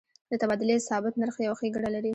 د تبادلې ثابت نرخ یو ښیګڼه لري.